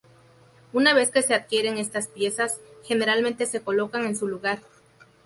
Una vez que se adquieren estas piezas, generalmente se colocan en su lugar.